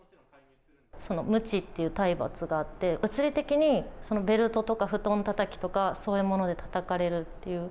むちっていう体罰があって、物理的にベルトとか布団たたきとか、そういうものでたたかれるっ